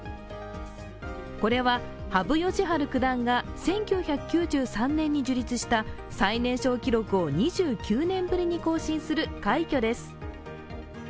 これは、羽生善治九段が１９９３年に樹立した最年少記録を２９年ぶりに更新する快挙です。